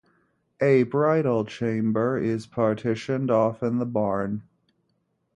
A bridal chamber is partitioned off in the barn.